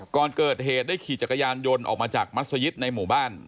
ก่อนเกิดเหตุได้ขี่จักรยานยนต์ออกมาจากมัศยิตในหมู่บ้าน